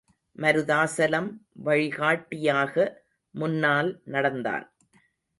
மருதாசலம் வழிகாட்டியாக முன்னால் நடந்தான்.